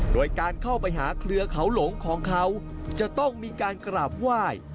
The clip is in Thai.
โดยการเข้าไปหาเครือเขาหลงของเขาจะต้องมีการกราบไหว้